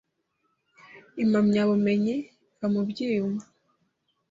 Impamyabumenyi iva mubyiyumvo